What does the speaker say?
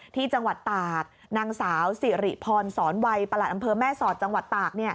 ที่จังหวัดตากนางสาวสิริพรสอนวัยประหลัดอำเภอแม่สอดจังหวัดตาก